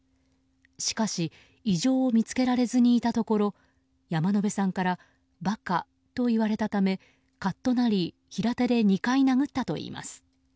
しかし異常を見つけられずにいたところ山野辺さんから馬鹿と言われたためカッとなり平手で２回殴ったといいます。